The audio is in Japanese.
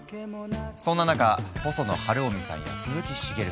そんな中細野晴臣さんや鈴木茂さん